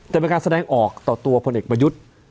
แต่เป็นการแสดงออกต่อตัวพลเอกประยุทธ์